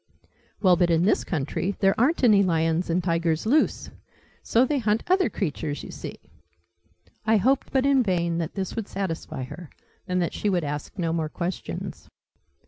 "Well, but, in this country, there aren't any lions and tigers, loose: so they hunt other creatures, you see." I hoped, but in vain, that this would satisfy her, and that she would ask no more questions.